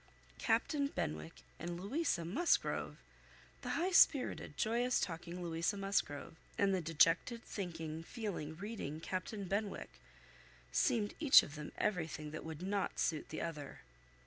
Captain Benwick and Louisa Musgrove! The high spirited, joyous talking Louisa Musgrove, and the dejected, thinking, feeling, reading, Captain Benwick, seemed each of them everything that would not suit the other.